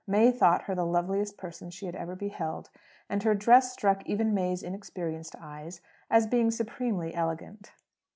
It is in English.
May thought her the loveliest person she had ever beheld; and her dress struck even May's inexperienced eyes as being supremely elegant.